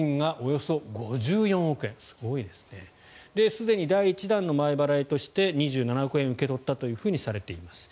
すでに第１弾の前払いとして２７億円受け取ったとされています。